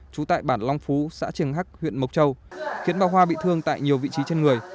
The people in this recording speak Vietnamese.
trú tại bản long phú xã triềng hắc huyện mộc châu khiến bà hoa bị thương tại nhiều vị trí trên người